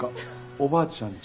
おばあちゃんち？